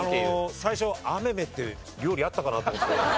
最初あめめって料理あったかなと思って。